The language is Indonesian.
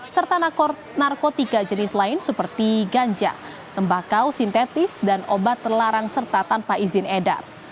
serta narkotika jenis lain seperti ganja tembakau sintetis dan obat terlarang serta tanpa izin edar